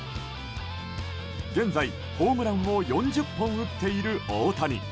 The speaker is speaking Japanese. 現在、ホームランを４０本打っている大谷。